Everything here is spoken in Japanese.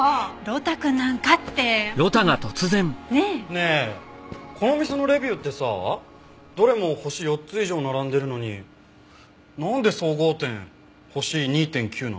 ねえこの店のレビューってさどれも星４つ以上並んでるのになんで総合点星２．９なの？